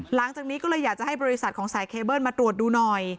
หลังจากนี้ก็เลยอยากจะให้บริษัทของสายเคเบิ้ลมาตรวจดูหน่อย